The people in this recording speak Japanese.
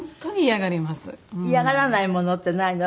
嫌がらないものってないの？